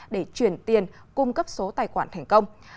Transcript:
để chuyển tiền cung cấp số tài khoản thành công